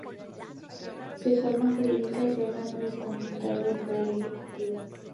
Su forma jurídica es órgano desconcentrado del Poder Ejecutivo.